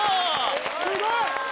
すごい！